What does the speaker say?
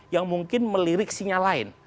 yang mungkin melirik sinyal lain